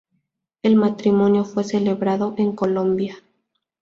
El matrimonio fue celebrado en Colombia.